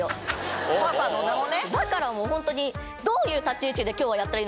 だからもうホントに。